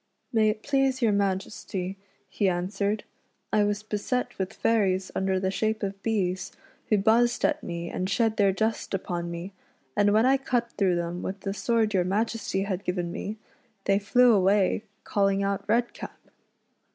" May it please your Majesty," he answered, " I was beset with fairies under the shape of bees, who buzzed at me and shed their dust upon me, and when I cut through them with the sword your Majesty had given me, they flew away calling out Redcap."